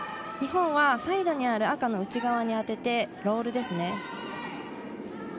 日本はサイドにある赤の内側に当ててロールですね。